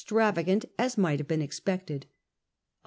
travagant as might have been expected. Of 29, 1667.